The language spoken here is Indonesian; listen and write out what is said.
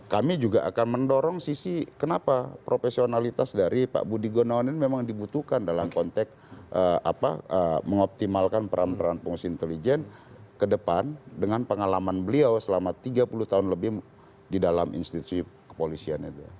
kami juga akan mendorong sisi kenapa profesionalitas dari pak budi gunawan ini memang dibutuhkan dalam konteks mengoptimalkan peran peran pengungsi intelijen ke depan dengan pengalaman beliau selama tiga puluh tahun lebih di dalam institusi kepolisian itu